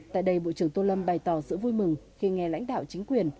tại đây bộ trưởng tô lâm bày tỏ sự vui mừng khi nghe lãnh đạo chính quyền